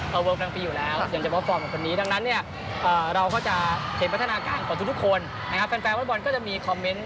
เราเวิร์คพันธ์ปีอยู่แล้วอย่างเฉพาะฟอร์มแบบคนนี้